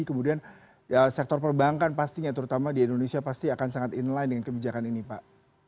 kemudian sektor perbankan pastinya terutama di indonesia pasti akan sangat inline dengan kebijakan ini pak